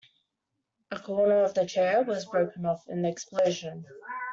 A corner of the chair was broken off in the explosion.